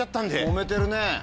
もめてるね。